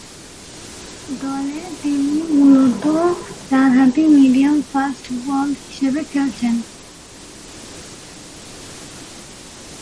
দলে তিনি মূলতঃ ডানহাতি মিডিয়াম-ফাস্ট বোলার হিসেবে খেলছেন।